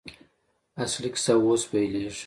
اصلي کیسه اوس پیلېږي.